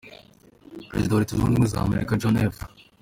Perezida wa Leta zunze ubumwe za Amerika John F.